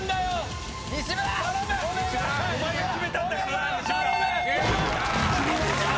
お前が決めたんだからな西村。